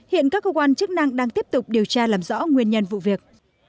hiện các cơ quan chức năng đang tiếp tục điều tra làm rõ nguyên nhân vụ việc